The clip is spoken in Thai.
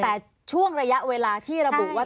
แต่ช่วงระยะเวลาที่ระบุว่า